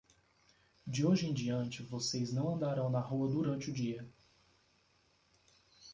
De hoje em diante vocês não andarão na rua durante o dia.